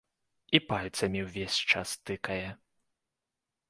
І пальцам увесь час тыкае.